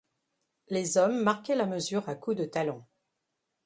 Les hommes marquaient la mesure à coups de talons.